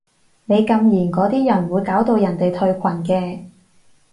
你禁言嗰啲人會搞到人哋退群嘅